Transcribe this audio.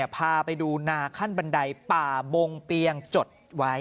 พาไปดูนาขั้นบันไดป่าบงเปียงจดไว้